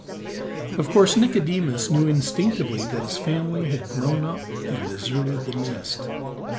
Of course Nicodemus knew instinctively that his family had grown up and deserted the nest.